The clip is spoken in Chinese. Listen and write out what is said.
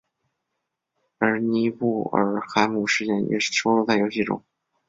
而尼布尔海姆事件也收录在游戏中。